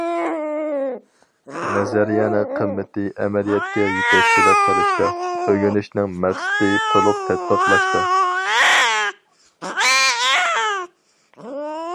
نەزەرىيەنىڭ قىممىتى ئەمەلىيەتكە يېتەكچىلىك قىلىشتا، ئۆگىنىشنىڭ مەقسىتى تولۇق تەتبىقلاشتا.